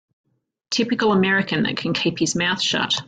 Typical American that can keep his mouth shut.